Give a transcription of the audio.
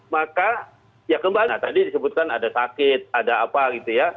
maka ya kembali tadi disebutkan ada sakit ada apa gitu ya